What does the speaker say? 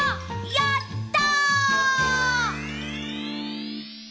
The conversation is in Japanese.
やった！